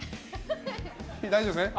大丈夫ですね。